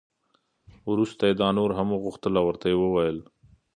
وروسته یې دا نور هم وغوښتل او ورته یې وویل.